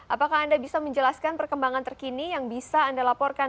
apakah anda bisa menjelaskan perkembangan terkini yang bisa anda laporkan